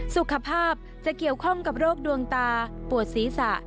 สุขภาพจะเกี่ยวข้องกับโรคดวงตาปวดศีรษะ